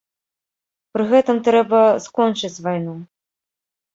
Пры гэтым трэба скончыць вайну.